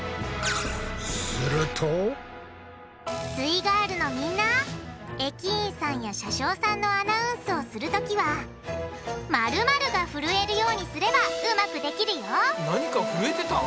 イガールのみんな駅員さんや車掌さんのアナウンスをするときはが震えるようにすればうまくできるよ何か震えてた？